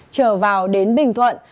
trở vào đến bình thuận